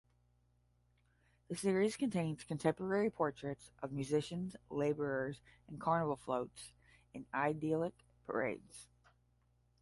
The series contains contemporary portraits of musicians, laborers, and carnival floats in idyllic parades.